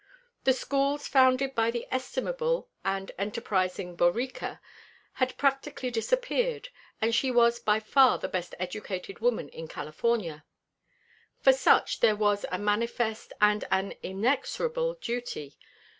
The schools founded by the estimable and enterprising Borica had practically disappeared, and she was by far the best educated woman in California. For such there was a manifest and an inexorable duty.